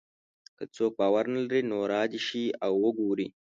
که څوک باور نه لري نو را دې شي او وګوري.